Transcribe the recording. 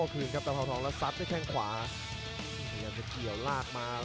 นี่ครับสัตว์เป็นแทนขวาบ้างเกี่ยวได้